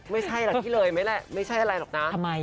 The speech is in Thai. ไม่ใช่แหละที่เหลื่อยไม่แหละไม่ใช่อะไรหรอกนะ